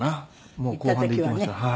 もう後半で行きました。